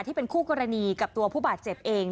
ที่เป็นคู่กรณีกับตัวผู้บาดเจ็บเอง